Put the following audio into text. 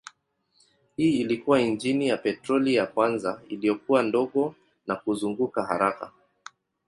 Hii ilikuwa injini ya petroli ya kwanza iliyokuwa ndogo na kuzunguka haraka.